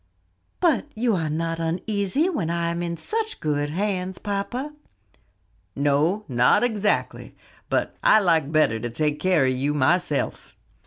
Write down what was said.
"But you are not uneasy when I am in such good hands, papa?" "No, not exactly; but like better to take care of you myself."